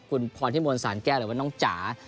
คุณพรทิมวลศาลแก้เหล่าวันน้องจ๋า